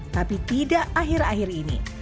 tapi tidak akhir akhir ini